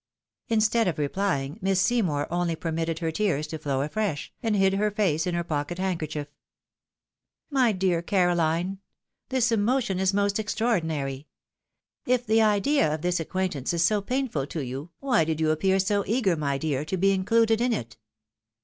Instead of replying, Miss Seymour only permitted her tears to flow afresh, and hid her face in her pocket handkerchief. " My dear Caroline ! This emotion is most extraordinary ! If the idea of this acquaintance is so painful to you, why did you appear so eager, my dear, to be included in it